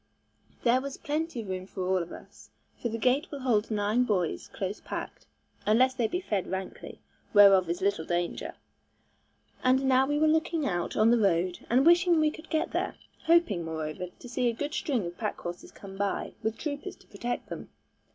There was plenty of room for all of us, for the gate will hold nine boys close packed, unless they be fed rankly, whereof is little danger; and now we were looking out on the road and wishing we could get there; hoping, moreover, to see a good string of pack horses come by, with troopers to protect them.